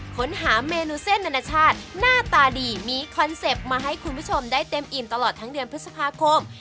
ค้นหาเมนูเส้นอนาชาติหน้าตาดีมีคอนเซ็ปต์มาให้คุณผู้ชมได้เต็มอิ่มตลอดทั้งเดือนพฤษภาคม